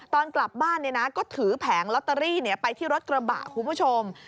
ตอนกลับบ้านก็ถือแผงลอตเตอรี่ไปที่รถกระบะคุณผู้ชม